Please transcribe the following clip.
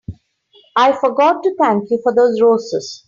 I forgot to thank you for those roses.